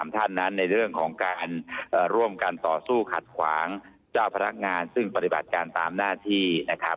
ต่อสู้ขัดขวางเจ้าพนักงานซึ่งปฏิบัติการตามหน้าที่นะครับ